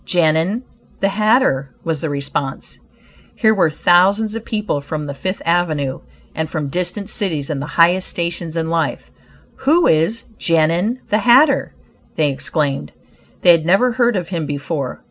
"Genin, the hatter," was the response. Here were thousands of people from the Fifth avenue, and from distant cities in the highest stations in life. "Who is 'Genin,' the hatter?" they exclaimed. They had never heard of him before.